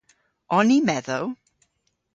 On ni medhow?